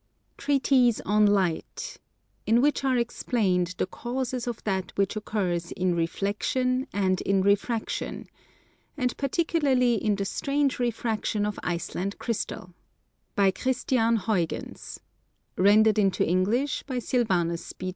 zip) TREATISE ON LIGHT In which are explained The causes of that which occurs In REFLEXION, & in REFRACTION And particularly In the strange REFRACTION OF ICELAND CRYSTAL by CHRISTIAAN HUYGENS Rendered into English by SILVANUS P.